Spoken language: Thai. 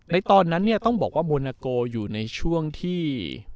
ตอนนั้นเนี่ยต้องบอกว่าโมนาโกอยู่ในช่วงที่